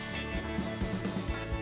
tim liputan cnn indonesia